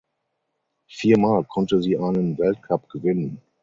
Viermal konnte sie einen Weltcup gewinnen.